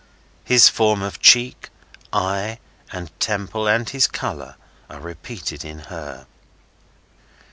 His form of cheek, eye, and temple, and his colour, are repeated in her.